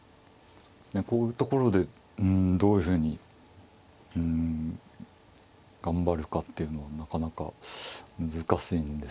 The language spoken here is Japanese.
こういうところでうんどういうふうに頑張るかっていうのはなかなか難しいんですけれど。